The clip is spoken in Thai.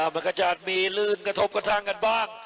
มันก็จะมีลื่นกระทบกระทั่งกันบ้าง